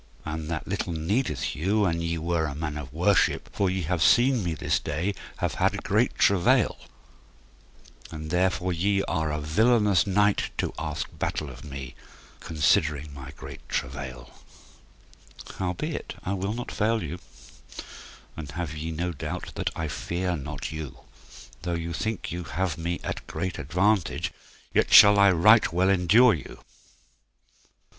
and that little needeth you an ye were a man of worship, for ye have seen me this day have had great travail, and therefore ye are a villainous knight to ask battle of me, considering my great travail; howbeit I will not fail you, and have ye no doubt that I fear not you; though you think you have me at a great advantage yet shall I right well endure you.